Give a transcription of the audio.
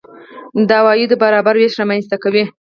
د عوایدو برابر وېش رامنځته کوي.